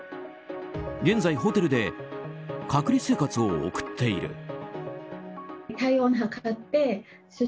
現在、ホテルで隔離生活を送っている。